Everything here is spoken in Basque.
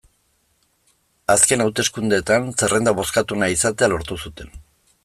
Azken hauteskundeetan zerrenda bozkatuena izatea lortu zuten.